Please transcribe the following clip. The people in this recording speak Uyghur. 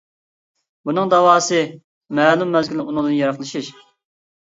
بۇنىڭ داۋاسى مەلۇم مەزگىل ئۇنىڭدىن يىراقلىشىش.